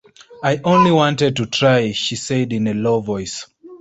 “I only wanted to try,” she said in a low voice.